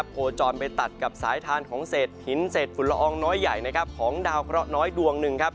โคจรไปตัดกับสายทานของเสดหินเสดฝุ่นละอองน้อยใหญ่ของดาวกะละน้อยดวงหนึ่ง